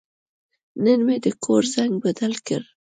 نن مې د کور زنګ بدل کړ.